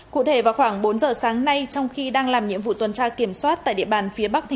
cụ thể vào khoảng bốn giờ sáng nay trong khi đang làm nhiệm vụ tuần tra kiểm soát tại địa bàn phía bắc